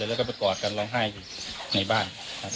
แล้วก็ไปกอดกันร้องไห้อยู่ในบ้าน